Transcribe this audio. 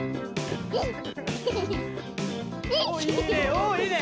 おっいいね。